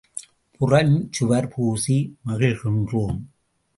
புறஞ்சுவர் பூசி மகிழ்கின்றோம்!